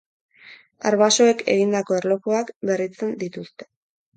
Arbasoek egindako erlojuak berritzen dituzte.